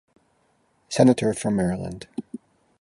Senator from Maryland.